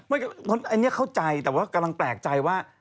อันนี้เข้าใจแต่ว่ากำลังแปลกใจว่า